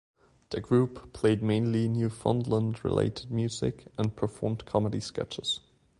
The group played mainly Newfoundland-related music and performed comedy sketches.